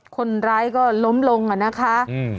คนร้ายก็ล้มลงอ่ะนะคะอืม